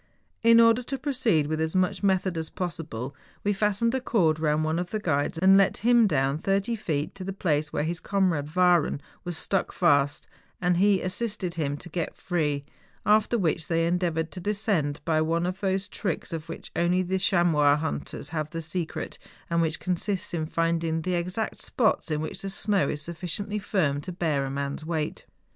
In order to proceed with as much method as THE GALENSTOCK. 95 possible, we fastened a cord round one of the guides and let him down thirty feet to the place where his comrade Wahren was stuck fast; and first he as¬ sisted him to get free, after which they endeavoured to descend by one of those tricks of which only the chamois hunters have the secret, and which consists in finding the exact spots in which the snow is suffi¬ ciently firm to bear a man's weight.